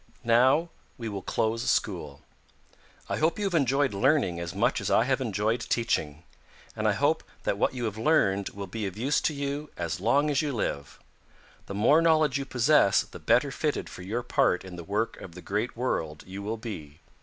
"Now we will close school. I hope you have enjoyed learning as much as I have enjoyed teaching, and I hope that what you have learned will be of use to you as long as you live. The more knowledge you possess the better fitted for your part in the work of the Great World you will be.